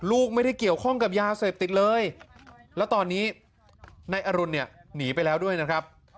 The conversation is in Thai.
ลูกไม่ได้เกี่ยวข้องกับยาเสพติดเลยแล้วตอนนี้นายอรุณเนี่ยหนีไปแล้วด้วยนะครับ